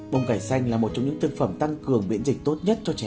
bông cải xanh là một trong những thương phẩm tăng cường miễn dịch tốt nhất cho trẻ em